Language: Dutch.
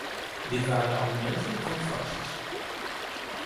Dit waren amendementen van fracties.